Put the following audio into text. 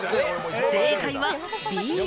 正解はＢ。